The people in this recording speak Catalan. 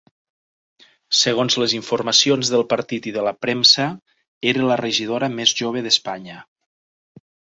Segons les informacions del partit i de la premsa, era la regidora més jove d'Espanya.